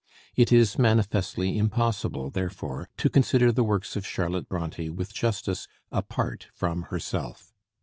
It is manifestly impossible therefore to consider the works of Charlotte Bronté with justice apart from herself.